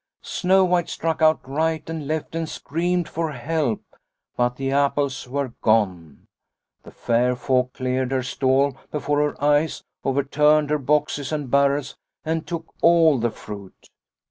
" Snow White struck out right and left and screamed for help, but the apples were gone. " The fair folk cleared her stall before her eyes, overturned her boxes and barrels, and took all the fruit.